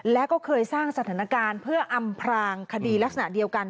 และก็เคยสร้างสถานการณ์เพื่ออำพรางคดีลักษณะเดียวกัน